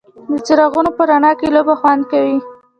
د څراغونو په رڼا کې لوبه خوند کوي.